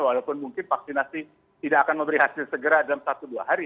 walaupun mungkin vaksinasi tidak akan memberi hasil segera dalam satu dua hari